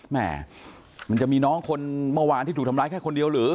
แม่มันจะมีน้องคนเมื่อวานที่ถูกทำร้ายแค่คนเดียวหรือ